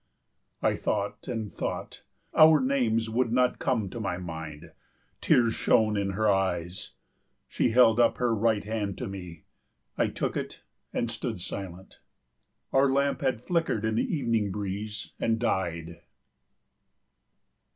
I thought and thought; our names would not come to my mind. Tears shone in her eyes. She held up her right hand to me. I took it and stood silent. Our lamp had flickered in the evening breeze and died.